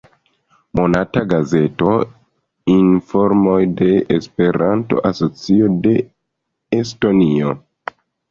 Monata gazeto: "Informoj de Esperanto-Asocio de Estonio".